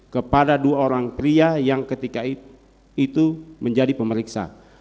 kepada dua orang pria yang ketika itu menjadi pemeriksa